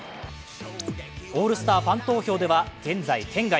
オールスターファン投票では現在、圏外。